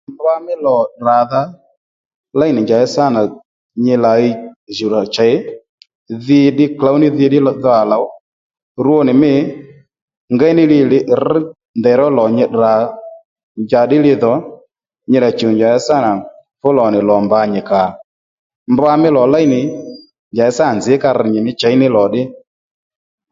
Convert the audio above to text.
Mbwa mí lò tdradha léy nì njàddí sâ nà nyi làyi djùw rà chèy dhi ddí klǒw ní dhi dho à lòw rwo nì mî ngey ní li nì li rr njèy ró lò nyi tdrà ro njàddí li dho nyi rà chùw njàddí sâ nà fú lò nì lò mbǎ nyì kà ò mbwa mí lò ley nì njàddí sâ nà nzǐ ka rr nyi mí chěy ní lò ddí